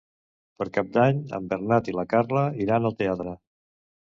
Per Cap d'Any en Bernat i na Carla iran al teatre.